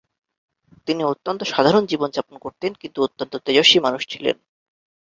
তিনি অত্যন্ত সাধারণ জীবন যাপন করতেন কিন্তু অত্যন্ত তেজস্বী মানুষ ছিলেন।